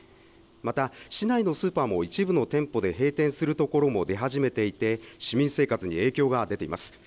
また市内のスーパーも一部の店舗で閉店するところも出始めていて市民生活に影響が出ています。